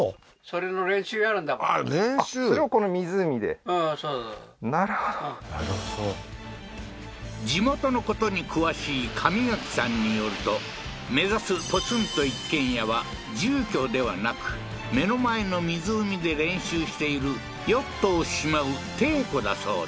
それをなるほど地元のことに詳しい神垣さんによると目指すポツンと一軒家は住居ではなく目の前の湖で練習しているヨットをしまう艇庫だそうだ